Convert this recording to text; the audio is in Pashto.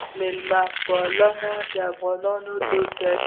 میلمه پالنه د افغانانو دود دی